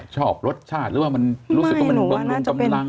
ชอบรสชาติหรือว่ามันรู้สึกลงกำลัง